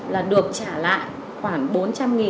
là được trả lại khoảng bốn trăm linh